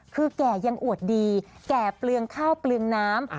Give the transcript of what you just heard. คือแก่ยังอวดดีแก่เปลืองข้าวเปลืองน้ำ